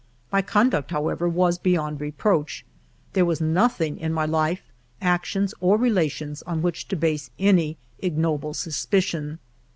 My con duct, however, was beyond reproach : there was nothing in my life, actions, or relations on which to base any ignoble suspicion.